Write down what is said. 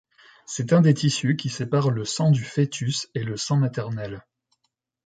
C'est un des tissus qui séparent le sang du fœtus et le sang maternel.